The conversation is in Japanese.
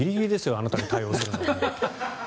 あなたの対応をするの。